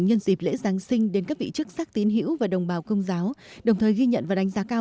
nhân dịp lễ giáng sinh đến các vị chức sắc tín hiểu và đồng bào công giáo đồng thời ghi nhận và đánh giá cao